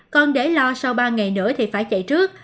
còn để lo sau ba ngày nữa thì phải chạy trước